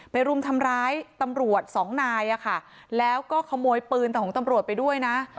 รุมทำร้ายตำรวจสองนายแล้วก็ขโมยปืนของตำรวจไปด้วยนะ